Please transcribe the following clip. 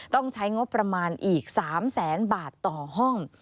ต้องใช้งบประมาณอีก๓แสนบาทต่อห้อง